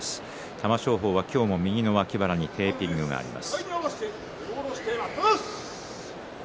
玉正鳳は今日も右の脇腹にテーピングがあります。